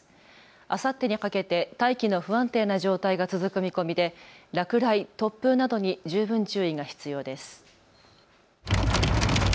あさってにかけて大気の不安定な状態が続く見込みで落雷、突風などに十分注意が必要です。